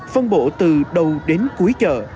phân bộ từ đầu đến cuối chợ